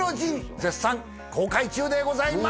絶賛公開中でございます！